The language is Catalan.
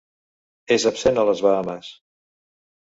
És absent a les Bahames.